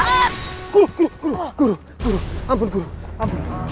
guru guru guru guru guru abun guru abun